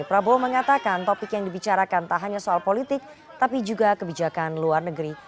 prabowo mengatakan topik yang dibicarakan tak hanya soal politik tapi juga kebijakan luar negeri